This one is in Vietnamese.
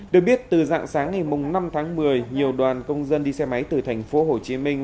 được biết từ dạng sáng ngày năm tháng một mươi nhiều đoàn công dân đi xe máy từ thành phố hồ chí minh